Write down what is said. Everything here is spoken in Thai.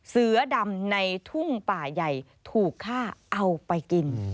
เสือดำในทุ่งป่าใหญ่ถูกฆ่าเอาไปกิน